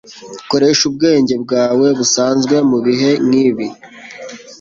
Koresha ubwenge bwawe busanzwe mubihe nkibi